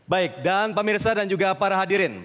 baik dan pak mirsa dan juga para hadirin